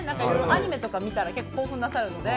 アニメとか見たら興奮なさるので。